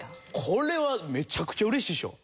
これはめちゃくちゃうれしいでしょ。